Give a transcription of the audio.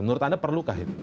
menurut anda perlukah itu